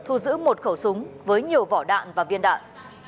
thu giữ một khẩu súng với nhiều vỏ đạn và viên đạn